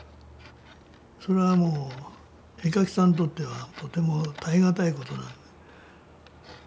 それはもう絵描きさんにとってはとても耐え難いことなんで。